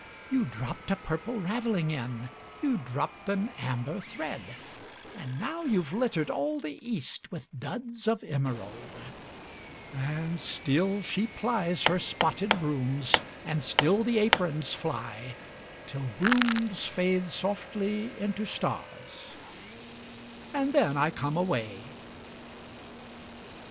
You dropped a purple ravelling in, You dropped an amber thread; And now you 've littered all the East With duds of emerald! And still she plies her spotted brooms, And still the aprons fly, Till brooms fade softly into stars And then I come away.